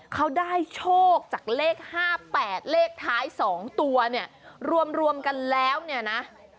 เขาได้โชคจากเลข๕๘เลขท้าย๒ตัวเนี่ยรวมกันแล้วเนี่ยนะ